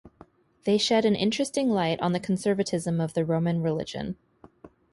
They shed an interesting light on the conservatism of the Roman religion.